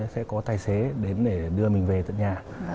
sẽ có tài xế đến để đưa mình về tận nhà